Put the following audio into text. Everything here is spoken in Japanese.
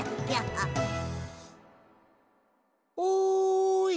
おい！